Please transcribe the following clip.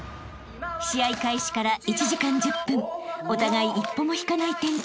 ［試合開始から１時間１０分お互い一歩も引かない展開に］